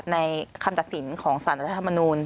ในคำจัดสินของสนัตลกรรภ์จัฐมนูน